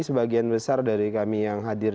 sebagian besar dari kami yang hadir